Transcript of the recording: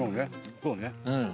そうね。